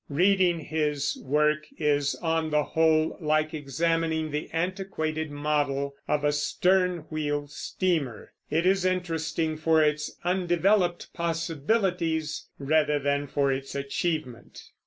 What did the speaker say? Reading his work is, on the whole, like examining the antiquated model of a stern wheel steamer; it is interesting for its undeveloped possibilities rather than for its achievement.